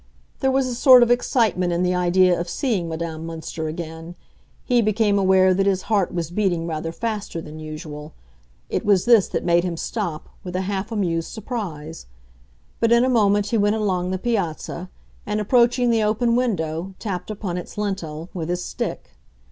There was a sort of excitement in the idea of seeing Madame Münster again; he became aware that his heart was beating rather faster than usual. It was this that made him stop, with a half amused surprise. But in a moment he went along the piazza, and, approaching the open window, tapped upon its lintel with his stick.